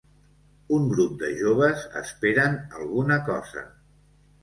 Un grup de joves esperen alguna cosa.